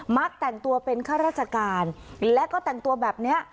แต่งตัวเป็นข้าราชการและก็แต่งตัวแบบนี้